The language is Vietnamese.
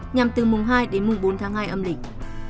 nhằm từ mùng hai đến mùng bốn tháng hai âm lịch